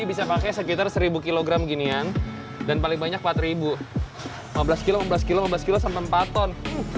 bisa pakai sekitar seribu kg ginian dan paling banyak empat ribu lima belas kilo lima belas kilo sampai empatan